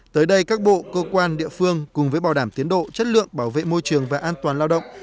tới đây các bộ cơ quan địa phương cùng với bảo đảm tiến độ chất lượng bảo vệ môi trường và an toàn lao động